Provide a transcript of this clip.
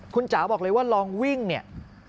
คุณจ๋าบอกเลยว่าลองวิ่งเนี่ย